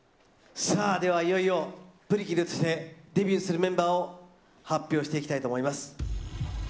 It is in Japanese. さあではいよいよ、プリキルとしてデビューするメンバーを発表していきたいと思います。